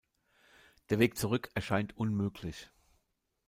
Der Weg zurück erscheint unmöglich.